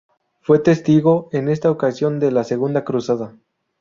Fue testigo en esta ocasión de la Segunda Cruzada.